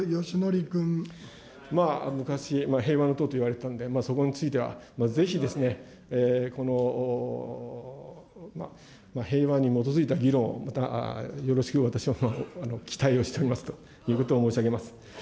まあ昔、平和の党といわれていたので、そこについてはぜひ、平和に基づいた議論をよろしく、私は期待をしておりますということを申し上げます。